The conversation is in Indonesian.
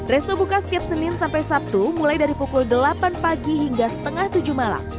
resto buka setiap senin sampai sabtu mulai dari pukul delapan pagi hingga setengah tujuh malam